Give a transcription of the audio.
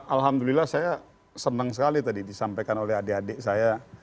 alhamdulillah saya senang sekali tadi disampaikan oleh adik adik saya